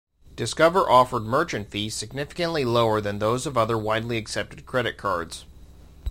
Discover offered merchant fees significantly lower than those of other widely accepted credit cards.